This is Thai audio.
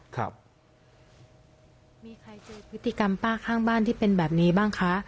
ครับมีใครเจอพฤติกรรมป้าข้างบ้านที่เป็นแบบนี้บ้างคะ